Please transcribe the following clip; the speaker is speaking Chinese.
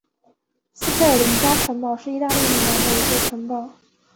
斯佩尔林加城堡是意大利米兰的一座城堡。